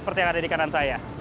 seperti yang ada di kanan saya